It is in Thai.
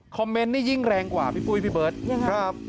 เมนต์นี่ยิ่งแรงกว่าพี่ปุ้ยพี่เบิร์ตยังไงครับ